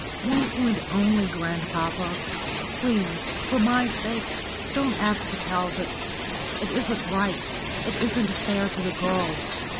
"One point only, grandpapa. Please, for my sake, don't ask the Talbots. It isn't right; it isn't fair to the girl.